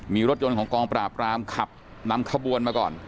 มีรถยนต์ของกองปราบรามขับนำขบวนมาก่อน